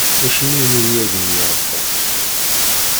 Acimi i nugi ad nemyeεqal?